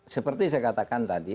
seperti saya katakan tadi